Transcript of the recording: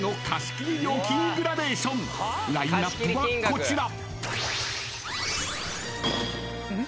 ［ラインアップはこちら］